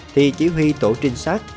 thì chỉ huy tổ trinh sát